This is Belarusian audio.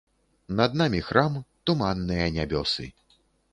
Над намі храм, туманныя нябёсы.